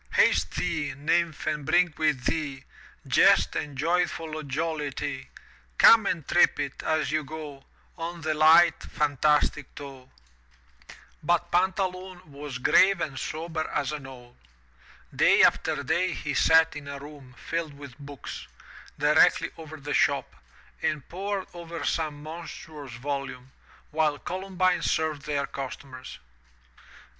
Haste thee, Nymph and bring with thee/" Jest and youthful Jollity. Come and trip it, as you go, On the light fantastic toe. *From Milton's L'AUegro, 354 THROUGH FAIRY HALLS But Pantaloon was grave and sober as an owl. Day after day he sat in a room filled with books, directly over the shop, and pored over some monstrous volume, while Columbine served their customers.